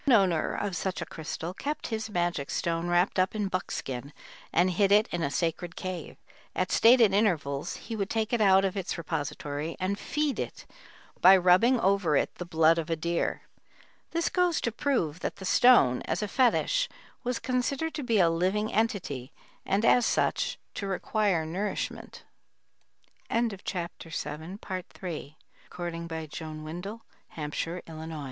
One owner of such a crystal kept his magic stone wrapped up in buckskin and hid it in a sacred cave; at stated intervals he would take it out of its repository and "feed" it by rubbing over it the blood of a deer. This goes to prove that the stone, as a fetich, was considered to be a living entity and as such to require nourishment. [Illustration: STATUE OF A MAORI WARRIOR, BY SIGURD NEANDROSS. The base is a bloc